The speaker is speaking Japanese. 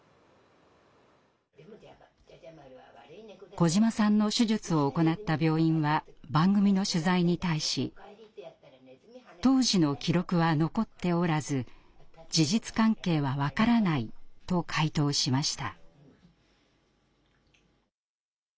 小島さんの手術を行った病院は番組の取材に対し当時の記録は残っておらず事実関係は分からないと回答しました。